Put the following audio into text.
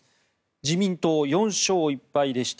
自民党４勝１敗でした。